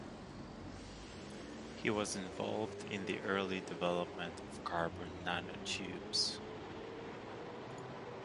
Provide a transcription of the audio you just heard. He was involved in the early development of carbon nanotubes.